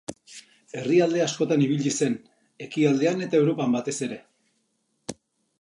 Herrialde askotan ibili zen, Ekialdean eta Europan batez ere.